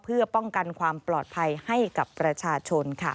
เพื่อป้องกันความปลอดภัยให้กับประชาชนค่ะ